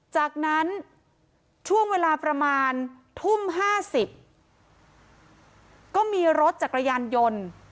จากนั้นช่วงเวลาประมาณทุ่ม๕๐ก็มีรถจักรยานยนต์